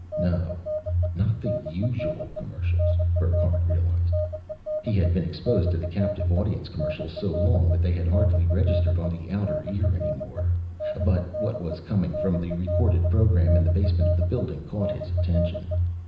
No, not the usual commercials, Burckhardt realized. He had been exposed to the captive audience commercials so long that they hardly registered on the outer ear any more, but what was coming from the recorded program in the basement of the building caught his attention.